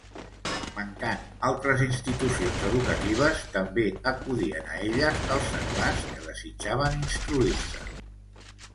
Mancant altres institucions educatives, també acudien a elles els seglars que desitjaven instruir-se.